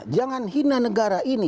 jangan hina negara ini